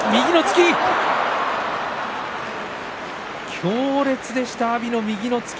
強烈でした阿炎の右の突き。